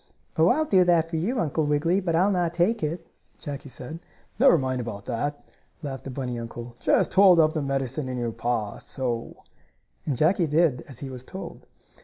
"Oh, I'll do that for you, Uncle Wiggily, but I'll not take it," Jackie said. "Never mind about that," laughed the bunny uncle. "Just hold the medicine in your paw, so," and Jackie did as he was told.